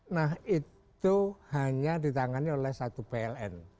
nah itu hanya ditangani oleh satu pln